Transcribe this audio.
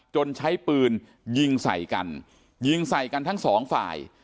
ใช้ปืนยิงใส่กันยิงใส่กันทั้งสองฝ่าย